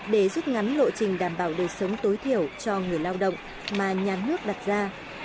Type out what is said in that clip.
để rút ngắn lộ trình đảm bảo đời sống tối thiểu cho người lao động mà nhà nước đặt ra